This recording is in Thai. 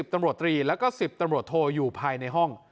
ตำรวจตรีแล้วก็๑๐ตำรวจโทอยู่ภายในห้อง